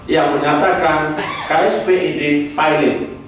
yang menyatakan ksbid pahit